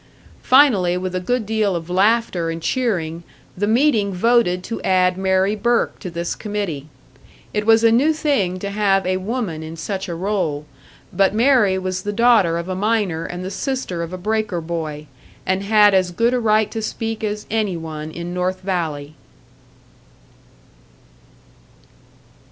Finally, with a good deal of laughter and cheering, the meeting voted to add Mary Burke to this committee. It was a new thing to have a woman in such a role, but Mary was the daughter of a miner and the sister of a breaker boy, and had as good a right to speak as any one in North Valley.